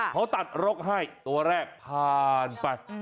เขาตัดรกให้ตัวแรกผ่านไป